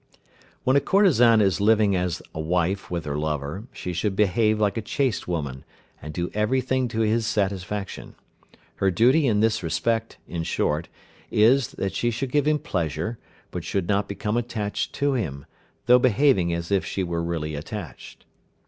When a courtesan is living as a wife with her lover, she should behave like a chaste woman, and do everything to his satisfaction. Her duty in this respect, in short, is, that she should give him pleasure, but should not become attached to him, though behaving as if she were really attached.